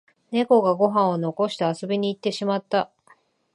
ネコがご飯を残して遊びに行ってしまった